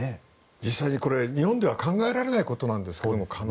実際に日本では考えられないことですね。